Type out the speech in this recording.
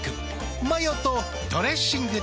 マヨとドレッシングで。